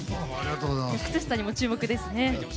靴下にも注目ですね。